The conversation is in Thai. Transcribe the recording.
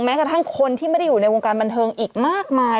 กระทั่งคนที่ไม่ได้อยู่ในวงการบันเทิงอีกมากมาย